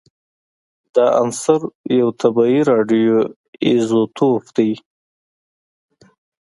دا عنصر یو طبیعي راډیو ایزوتوپ دی